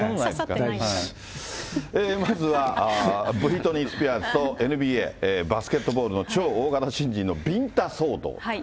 まずは、ブリトニー・スピアーズとＮＢＡ・バスケットボールの超大型新人のビンタ騒動。